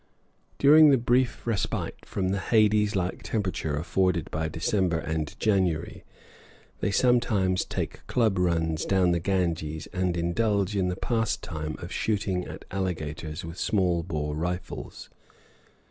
During the brief respite from the hades like temperature afforded by December and January, they sometimes take club runs down the Ganges and indulge in the pastime of shooting at alligators with small bore rifles.